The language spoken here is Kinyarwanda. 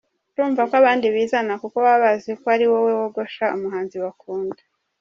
Urumva ko abandi Bizana kuko baba bazi ko ari wowe wogosha umuhanzi bakunda.